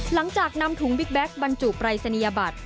หลังจากนำถุงวิกแบกบรรจุปลายสัญญาบัตร